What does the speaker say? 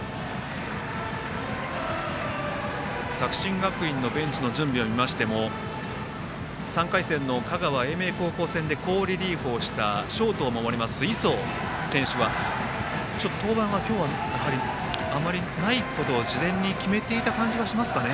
作新学院のベンチの準備を見ましても３回戦の香川・英明高校戦で好リリーフをしたショートを守ります、磯選手はちょっと登板はやはりないことを事前に決めていた感じがしますかね。